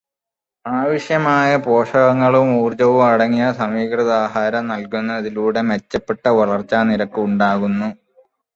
ആവശ്യമായ പോഷകങ്ങളും ഊർജവും അടങ്ങിയ സമീകൃതാഹാരം നൽകുന്നതിലൂടെ മെച്ചപ്പെട്ട വളര്ച്ചാ നിരക്ക് ഉണ്ടാകുന്നു.